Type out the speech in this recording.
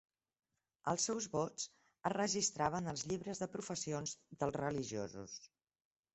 Els seus vots es registraven als llibres de professions dels religiosos.